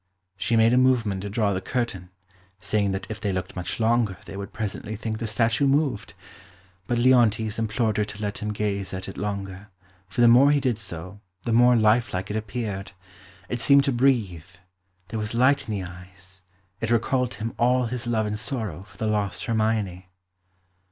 She made a movement to draw the curtain, saying that if they looked much longer they would presently think the statue moved. But Leontes implored her to let him gaze at it longer, for the more he did so, the more lifelike it appeared; it seemed to breathe; there was light in the eyes; it recalled to him all his love and sorrow for the lost Hermione.